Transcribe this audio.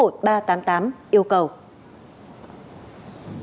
ủy ban nhân dân các tỉnh